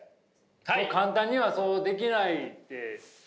簡単にはそうできないって。